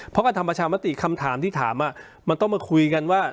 เพราะการทำประชามติคำถามที่ถามมันต้องมาคุยกันว่า